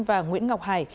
và nguyễn ngọc hải